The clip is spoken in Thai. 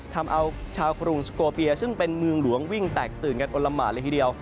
ทำเอาชาวกรุงสโกเปียซึ่งเป็นเมืองหลวงวิ่งแตกตื่นกันอลละหมาดเลยทีเดียว